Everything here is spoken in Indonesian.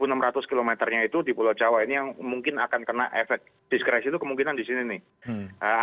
dan satu enam ratus km nya itu di pulau jawa ini yang mungkin akan kena efek diskresi itu kemungkinan di sini nih